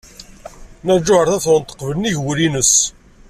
Nna Lǧuheṛ Tabetṛunt teqbel nnig wul-nnes.